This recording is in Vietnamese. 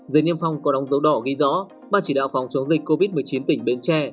dưới niêm phong có đống dấu đỏ ghi rõ bà chỉ đạo phòng chống dịch covid một mươi chín tỉnh bến tre